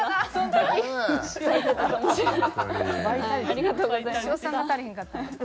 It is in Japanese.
ありがとうございます。